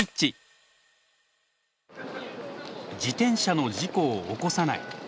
自転車の事故を起こさない。